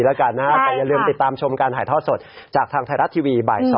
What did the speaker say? เลขช่องของเราคูณ๒แล้วก็บวกอีก๑